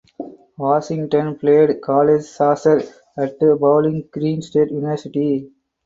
Washington played college soccer at Bowling Green State University.